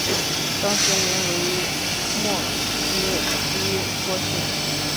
当时名为莫斯基托县。